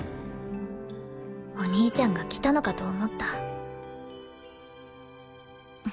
お兄ちゃんが来たのかと思った。